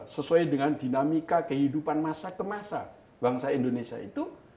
sesuai dengan dinamika kehidupan masa ke masa bangsa indonesia itu